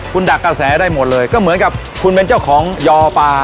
คุณดักกระแสได้หมดเลยก็เหมือนกับคุณเป็นเจ้าของยอปลา